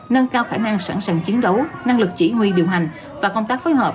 nâng cao khả năng sẵn sàng chiến đấu năng lực chỉ huy điều hành và công tác phối hợp